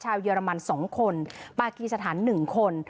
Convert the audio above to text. เยอรมัน๒คนปากีสถาน๑คน